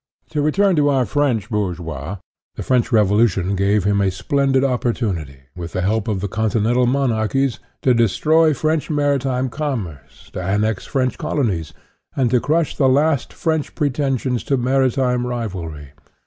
To return to our British bourgeois. The French Revolution gave him a splendid oppor tunity, with the help of the Continental mon archies, to destroy French maritime commerce, to annex French colonies, and to crush the last French pretensions to maritime rivalry.